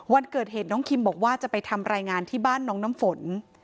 วันเกิดเหตุน้องคิมบอกว่าจะไปทำรายงานที่บ้านน้องน้ำฝน